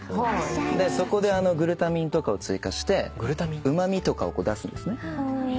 そこでグルタミンとかを追加してうま味とかを出すんですね。